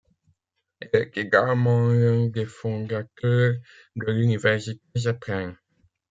Elle est également l'un des fondateurs de l'université Zeppelin.